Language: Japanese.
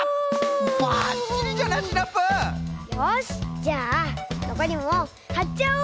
じゃあのこりもはっちゃおう！